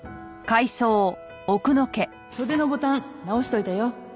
袖のボタン直しておいたよ。